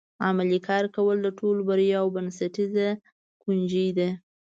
عملي کار کول د ټولو بریاوو بنسټیزه کنجي ده.